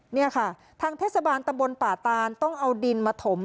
นี่ค่ะทางเทศบาลตำบลป่าตานต้องเอาดินมาถม